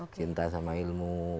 cinta sama ilmu